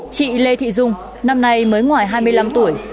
chị lê thị dung năm nay mới ngoài hai mươi năm tuổi